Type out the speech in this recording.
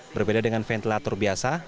berbeda dengan ventilator biasa